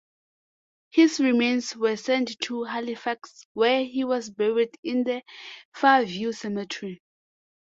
His remains were sent to Halifax where he was buried in the Fairview Cemetery.